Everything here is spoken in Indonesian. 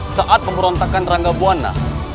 saat pemberontakan rangga buwana